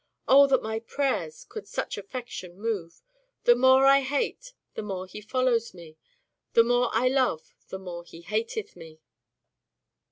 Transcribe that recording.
O ! that my prayers could such affection move. The more I hate the more he follows me. The more I love the more he hateth me."